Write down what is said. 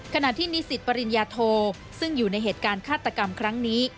ขณะที่นิสิตปริญญาโทซึ่งอยู่ในเหตุการณ์ฆาตกรรมครั้งนี้